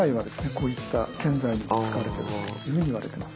こういった建材に使われてるというふうにいわれてます。